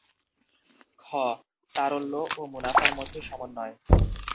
খ. তারল্য ও মুনাফার মধ্যে সমন্বয়